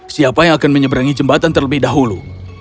siapa yang akan menyeberangi jembatan terlebih dahulu